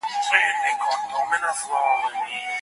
ایا ته د ادبي تحقیقاتو سره علاقه لرې؟